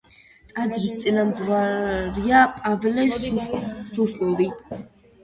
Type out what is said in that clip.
ტაძრის წინამძღვარია პავლე სუსლოვი.